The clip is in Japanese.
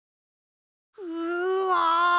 うわ！